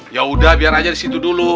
yaudah biar aja disitu dulu